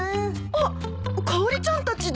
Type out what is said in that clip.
あっかおりちゃんたちだ。